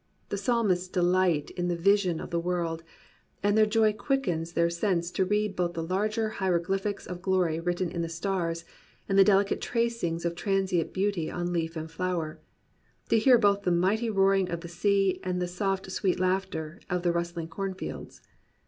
The psalmists deHght in the vision of the world, and their joy quickens their senses to read both the larger hieroglyphs of glory written in the stars and the delicate tracings of transient beauty on leaf and flower; to hear both the mighty roaring of the sea and the soft sweet laughter of the rustling corn fields.